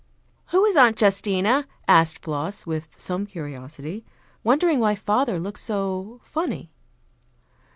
"Who is Aunt Justina?" asked Floss with some curiosity, wondering why father looked so "funny."